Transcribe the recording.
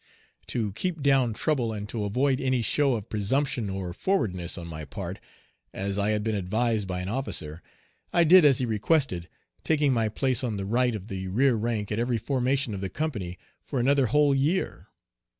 To keep down trouble and to avoid any show of presumption or forwardness on my part, as I had been advised by an officer, I did as he requested, taking my place on the right of the rear rank at every formation of the company for another whole year.